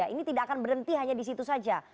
ini tidak akan berhenti hanya di situ saja